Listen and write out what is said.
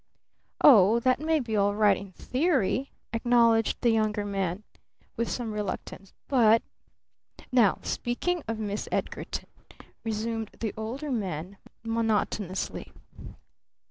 "Oh, that may be all right in theory," acknowledged the Younger Man, with some reluctance. "But " "Now, speaking of Miss Edgarton," resumed the Older Man monotonously.